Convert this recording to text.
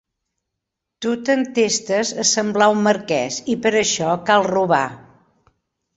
Tu t'entestes a semblar un marquès, i per a això cal robar.